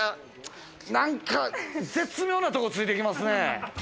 絶妙なとこ突いてきますね。